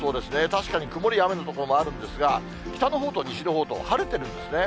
確かに曇りや雨の所もあるんですが、北のほうと西のほうと、晴れているんですね。